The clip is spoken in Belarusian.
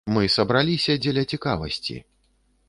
Мы сабраліся дзеля цікавасці.